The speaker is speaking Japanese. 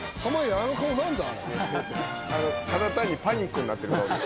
あのただ単にパニックになってる顔です